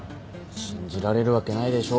信じられるわけないでしょ